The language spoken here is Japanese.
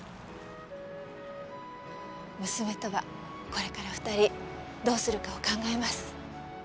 娘とはこれから２人どうするかを考えます。